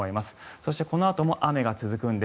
そして、このあとも雨が続くんです。